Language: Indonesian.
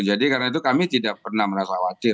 jadi karena itu kami tidak pernah merasa khawatir